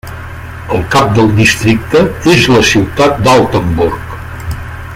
El cap del districte és la ciutat d'Altenburg.